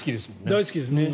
大好きです。